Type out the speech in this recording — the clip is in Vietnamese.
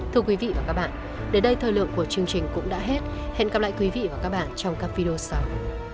thưa quý vị và các bạn đến đây thời lượng của chương trình cũng đã hết hẹn gặp lại quý vị và các bạn trong các video sau